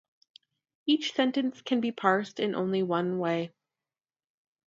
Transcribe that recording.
Each sentence can be parsed in only one way.